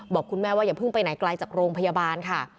บอกคุณแม่ว่าอย่าเพิ่งไปไหนไกลจากโรงพยาบาลค่ะ